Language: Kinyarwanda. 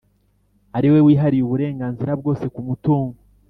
ariwe wihariye uburenganzira bwose kumutungo